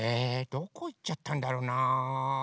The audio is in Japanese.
どこいっちゃったんだろうな。